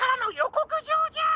こくじょうじゃ！